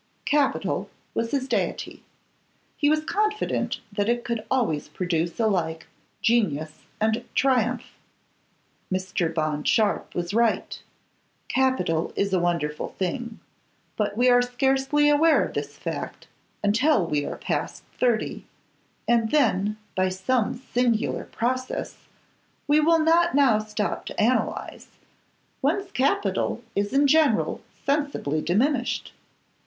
Capital was his deity. He was confident that it could always produce alike genius and triumph. Mr. Bond Sharpe was right: capital is a wonderful thing, but we are scarcely aware of this fact until we are past thirty; and then, by some singular process, which we will not now stop to analyse, one's capital is in general sensibly diminished.